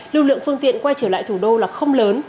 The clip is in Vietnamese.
lưu lượng phương tiện quay trở lại thủ đô là không lớn